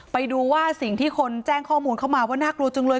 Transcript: ไปดูว่าสิ่งที่คนแจ้งข้อมูลเข้ามาว่าน่ากลัวจังเลย